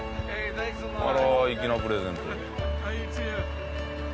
あら粋なプレゼントで。